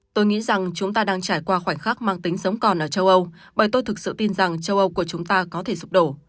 tôi nghĩ rằng chúng ta đang trải qua khoảnh khắc mang tính sống còn ở châu âu bởi tôi thực sự tin rằng châu âu của chúng ta có thể sụp đổ